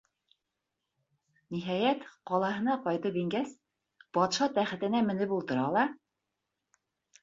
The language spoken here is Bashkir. Ниһайәт, ҡалаһына ҡайтып ингәс, батша тәхетенә менеп ултыра ла: